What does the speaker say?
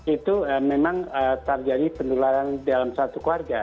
itu memang terjadi penularan dalam satu keluarga